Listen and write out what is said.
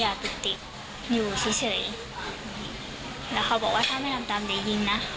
แล้วเขาบอกว่าถ้าไม่ลำตามจะยิงนะ